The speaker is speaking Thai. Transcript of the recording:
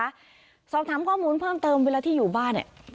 สอบถามข้อมูลเพิ่มเติมเวลาที่อยู่บ้านเนี่ย